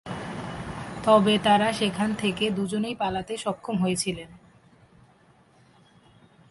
তবে তাঁরা সেখান থেকে দু'জনেই পালাতে সক্ষম হয়েছিলেন।